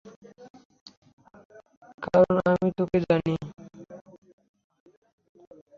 কারন আমি তোকে জানি।